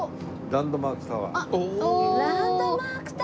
ランドマークタワーか！